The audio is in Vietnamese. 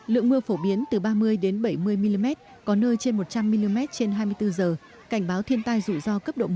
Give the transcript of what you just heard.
lượng mưa phổ biến từ ba mươi bảy mươi mm có nơi trên một trăm linh mm trên hai mươi bốn giờ cảnh báo thiên tai rủi ro cấp độ một